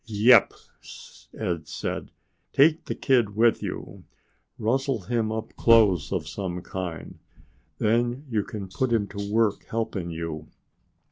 "Yep!" Ed said. "Take the kid with you. Rustle him up clothes of some kind. Then you can put him to work helping you."